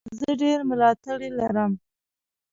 زه ډېر ملاتړي لرم.